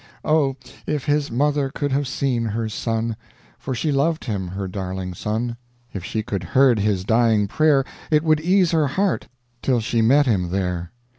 Oh! if his mother could have seen her son, For she loved him, her darling son; If she could heard his dying prayer, It would ease her heart till she met him there.